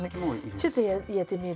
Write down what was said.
ちょっとやってみる？